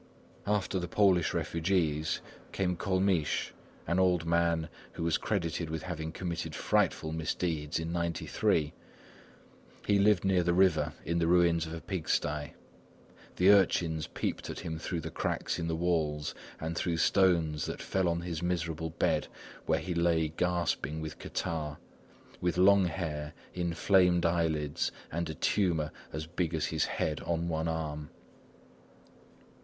After the Polish refugees, came Colmiche, an old man who was credited with having committed frightful misdeeds in '93. He lived near the river in the ruins of a pig sty. The urchins peeped at him through the cracks in the walls and threw stones that fell on his miserable bed, where he lay gasping with catarrh, with long hair, inflamed eyelids, and a tumour as big as his head on one arm.